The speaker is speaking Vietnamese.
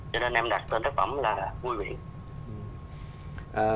cho nên em đặt tên tác phẩm là vui biển